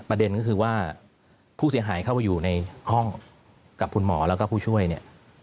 ก็คือว่าผู้เสียหายเข้าไปอยู่ในห้องกับคุณหมอแล้วก็ผู้ช่วยเนี่ย